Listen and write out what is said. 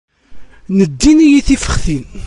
Neddin-iyi tifextin.